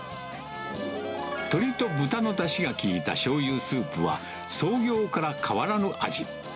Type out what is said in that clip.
鶏と豚のだしが効いたしょうゆスープは、創業から変わらぬ味。